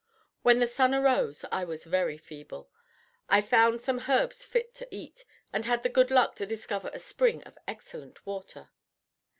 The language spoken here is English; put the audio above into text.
When the sun arose I was very feeble. I found some herbs fit to eat, and had the good luck to discover a spring of excellent water.